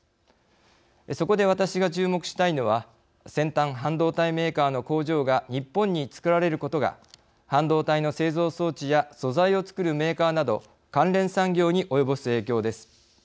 そこで私が注目したいのは先端半導体メーカーの工場が日本に作られることが半導体の製造装置や素材をつくるメーカーなど関連産業に及ぼす影響です。